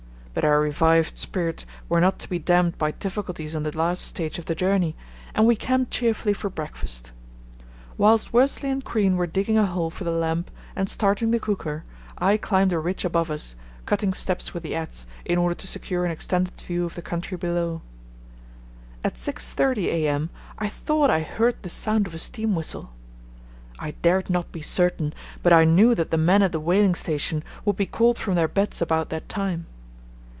But our revived spirits were not to be damped by difficulties on the last stage of the journey, and we camped cheerfully for breakfast. Whilst Worsley and Crean were digging a hole for the lamp and starting the cooker I climbed a ridge above us, cutting steps with the adze, in order to secure an extended view of the country below. At 6.30 a.m. I thought I heard the sound of a steam whistle. I dared not be certain, but I knew that the men at the whaling station would be called from their beds about that time.